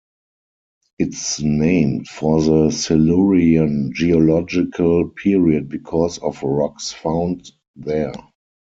It's named for the Silurian geological period because of rocks found there.